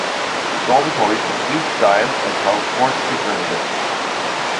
Dormitories are suite style and house four to six residents.